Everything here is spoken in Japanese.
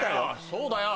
そうだよ！